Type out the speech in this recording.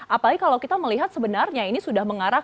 apalagi kalau kita melihat sebenarnya ini sudah mengarah